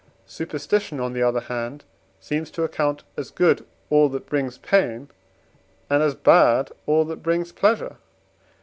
Superstition, on the other hand, seems to account as good all that brings pain, and as bad all that brings pleasure.